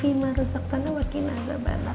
fima rojah tanah wakinah wajah banar